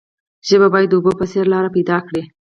ژبه باید د اوبو په څیر لاره پیدا کړي.